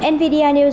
nvidia nêu dọn